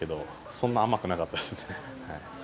そんなに甘くなかったです。